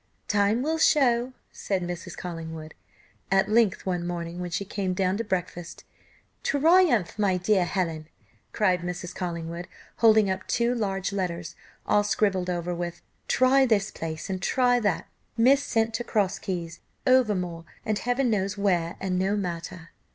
"Time will show," said Mrs. Collingwood. At length, one morning when she came down to breakfast, "Triumph, my dear Helen!" cried Mrs. Collingwood, holding up two large letters, all scribbled over with "Try this place and try that, mis sent to Cross keys Over moor, and heaven knows where and no matter."